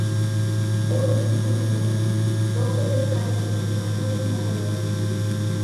— Ой, юмо, юмо, доктор дек каяш ушешат возын огылыс.